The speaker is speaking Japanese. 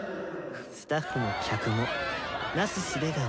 スタッフも客もなすすべがないはず。